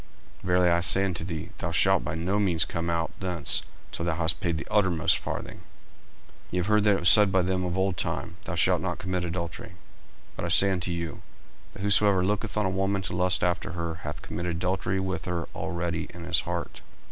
40:005:026 Verily I say unto thee, Thou shalt by no means come out thence, till thou hast paid the uttermost farthing. 40:005:027 Ye have heard that it was said by them of old time, Thou shalt not commit adultery: 40:005:028 But I say unto you, That whosoever looketh on a woman to lust after her hath committed adultery with her already in his heart.